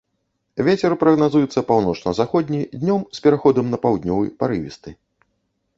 Вецер прагназуецца паўночна-заходні, днём з пераходам на паўднёвы, парывісты.